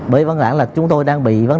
bởi vấn đề là chúng tôi đang bị